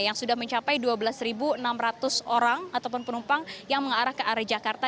yang sudah mencapai dua belas enam ratus orang ataupun penumpang yang mengarah ke arah jakarta